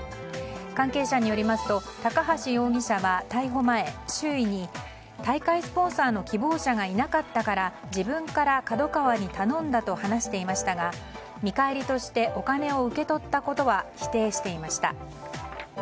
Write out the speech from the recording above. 関係者によりますと高橋容疑者は逮捕前、周囲に大会スポンサーの希望者がいなかったから自分からＫＡＤＯＫＡＷＡに頼んだと話していましたが見返りとしてお金を受け取ったことは否定していました。